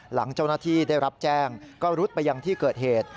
หลังเจ้าหน้าที่ได้รับแจ้งก็รุดไปยังที่เกิดเหตุ